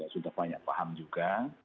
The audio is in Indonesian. sudah banyak paham juga